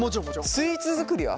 スイーツ作りは？